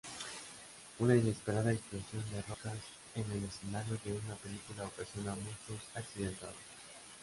Una inesperada explosión de rocas en el escenario de una película ocasiona muchos accidentados.